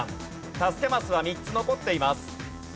助けマスは３つ残っています。